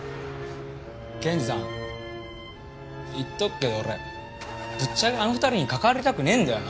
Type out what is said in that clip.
検事さん言っとくけど俺ぶっちゃけあの２人に関わりたくねぇんだよな。